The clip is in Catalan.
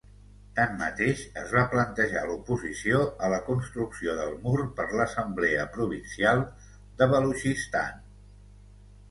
Tanmateix, es va plantejar l'oposició a la construcció del mur per l'Assemblea Provincial de Balutxistan.